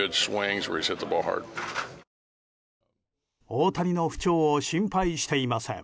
大谷の不調を心配していません。